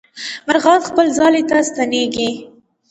مرغان خپل ځالې ته ستنېږي.